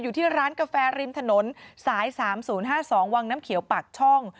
หรือร้านกาแฟริมถนน๓๐๕๒ล่างน้ำเขียวปากช่อง